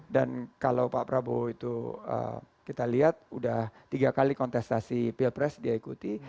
dan kalau pak prabowo itu kita lihat udah tiga kali kontestasi pilpres dia ikuti